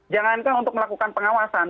jangankan untuk melakukan pengawasan